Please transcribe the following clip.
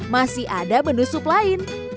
masih ada menu sup lain